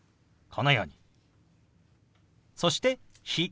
そして「日」。